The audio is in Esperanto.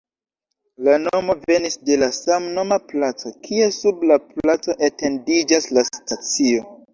La nomo venis de la samnoma placo, kie sub la placo etendiĝas la stacio.